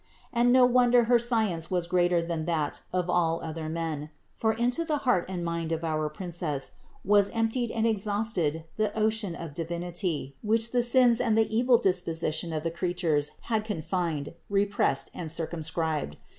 And no wonder her science was greater than that of all other men : for into the heart and mind of our Princess was emptied and exhausted the ocean of the Divinity, which the sins and the evil disposition of the creatures had confined, repressed and circumscribed.